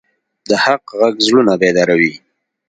د حق غږ زړونه بیداروي